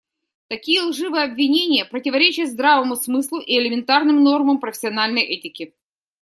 Такие лживые обвинения противоречат здравому смыслу и элементарным нормам профессиональной этики.